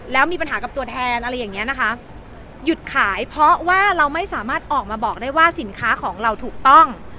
แล้วมีปัญหากับตัวแทนอะไรอย่างเงี้ยนะคะหยุดขายเพราะว่าเราไม่สามารถออกมาบอกได้ว่าสินค้าของเราถูกต้อง